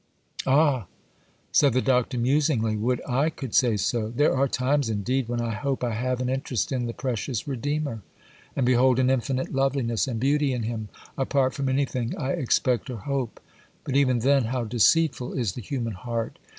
'Ah!' said the Doctor, musingly, 'would I could say so! There are times, indeed, when I hope I have an interest in the precious Redeemer, and behold an infinite loveliness and beauty in Him, apart from anything I expect or hope. But even then how deceitful is the human heart!